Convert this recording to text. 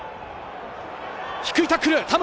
低いタックル、田村。